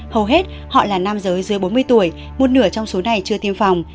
hầu hết họ là nam giới dưới bốn mươi tuổi một nửa trong số này chưa tiêm phòng